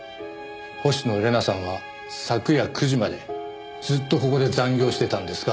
星野玲奈さんは昨夜９時までずっとここで残業してたんですか？